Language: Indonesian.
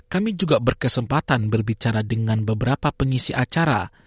kami juga berkesempatan berbicara dengan beberapa pengisi acara